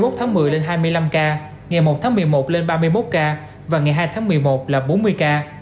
hai mươi một tháng một mươi lên hai mươi năm ca ngày một tháng một mươi một lên ba mươi một ca và ngày hai tháng một mươi một là bốn mươi ca